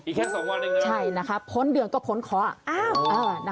อีกแค่๒วันอีกแล้วใช่นะคะพ้นเดืองก็พ้นเคราะห์